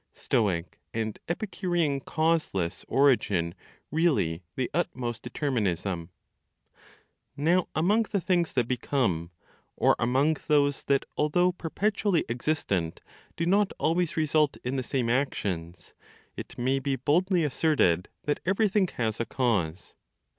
STOIC AND EPICUREAN CAUSELESS ORIGIN REALLY THE UTMOST DETERMINISM. Now among the things that become, or among those that although perpetually existent do not always result in the same actions, it may be boldly asserted that everything has a cause.